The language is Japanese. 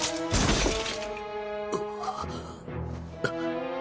あっ。